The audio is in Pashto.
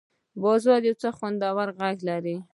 باران یو خوندور غږ لري.